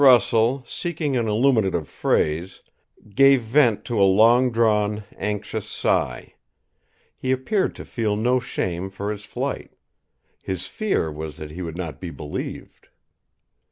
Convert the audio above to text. Russell, seeking an illuminative phrase, gave vent to a long drawn, anxious sigh. He appeared to feel no shame for his flight. His fear was that he would not be believed.